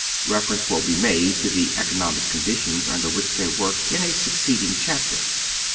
liefereuce will be made to the economic conditions under which they work in a succeeding chapter.